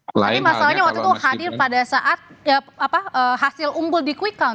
masalnya waktu itu hadir pada saat hasil umbul di kui kaun